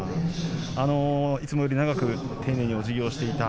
いつもより長く丁寧におじぎをしていた。